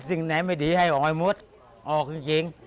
สิ่งไหนไม่ดีให้ออยมุดออกจริงจริง